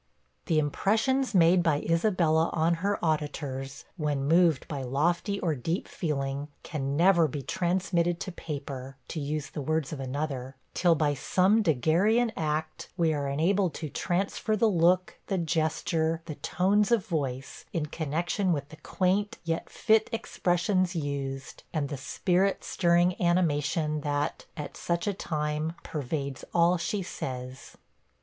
The impressions made by Isabella on her auditors, when moved by lofty or deep feeling, can never be transmitted to paper, (to use the words of another,) till by some Daguerrian act, we are enabled to transfer the look, the gesture, the tones of voice, in connection with the quaint, yet fit expressions used, and the spirit stirring animation that, at such a time, pervades all she says.